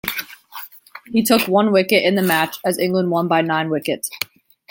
He took one wicket in the match, as England won by nine wickets.